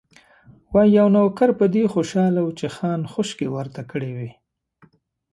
وايي، یو نوکر په دې خوشاله و چې خان خوشکې ورته کړې وې.